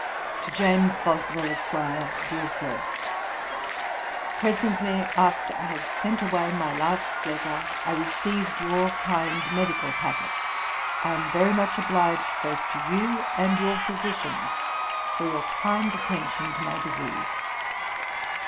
'TO JAMES BOSWELL, ESQ. 'DEAR SIR, 'Presently after I had sent away my last letter, I received your kind medical packet. I am very much obliged both to you and your physicians for your kind attention to my disease.